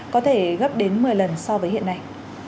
có thể gấp đến một mươi lần so với hiện nay